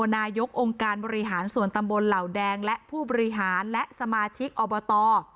นายกองค์การบริหารส่วนตำบลเหล่าแดงและผู้บริหารและสมาชิกอบต